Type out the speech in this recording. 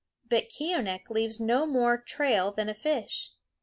But Keeonekh leaves no more trail than a fish.